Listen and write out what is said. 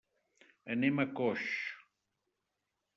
Anem a Coix.